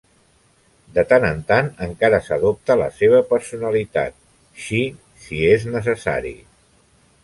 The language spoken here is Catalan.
De tant en tant, encara adopta la seva personalitat Shi si és necessari.